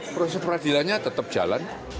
proses peradilannya tetap jalan